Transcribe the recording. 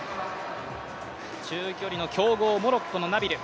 中距離の強豪、モロッコのナビル。